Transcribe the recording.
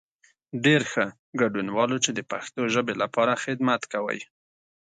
ډېر ښه، ګډنوالو چې د پښتو ژبې لپاره خدمت کوئ.